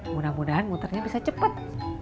mudah mudahan muternya bisa cepat